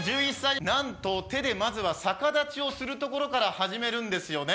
なんと手でまずは逆立ちをするところから始めるんですよね。